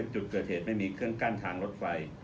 จุดเกิดเหตุไม่มีเครื่องกั้นทางรถไฟ